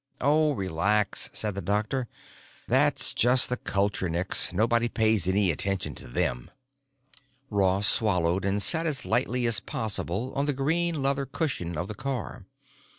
"Oh, relax," said the doctor. "That's just the Cultureniks. Nobody pays any attention to them." Ross swallowed and sat as lightly as possible on the green leather cushion of the car.